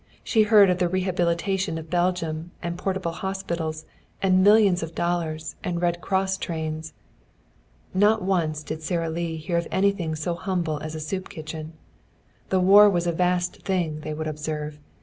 She heard of the rehabilitation of Belgium, and portable hospitals, and millions of dollars, and Red Cross trains. Not once did Sara Lee hear of anything so humble as a soup kitchen. The war was a vast thing, they would observe.